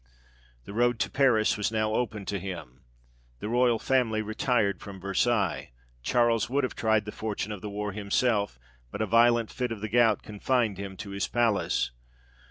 The road to Paris was now open to him ; the Royal family retired from Versailles ; Charles would have tried the fortune of the war himself, but a violent fit of the gout confined him to his palace.